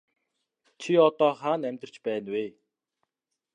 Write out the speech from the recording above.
Чи одоо хаана амьдарч байна вэ?